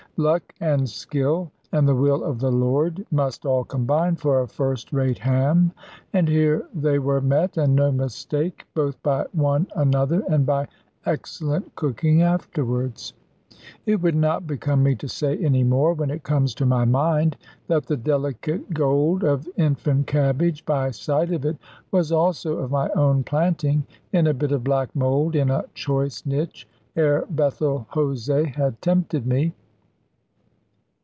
Luck, and skill, and the will of the Lord, must all combine for a first rate ham; and here they were met, and no mistake, both by one another and by excellent cooking afterwards. It would not become me to say any more, when it comes to my mind that the delicate gold of infant cabbage, by side of it, was also of my own planting, in a bit of black mould in a choice niche, ere Bethel Jose had tempted me.